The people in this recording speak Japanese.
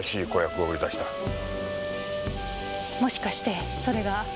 もしかしてそれが？